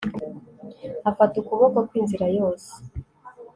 afata ukuboko kwe inzira yose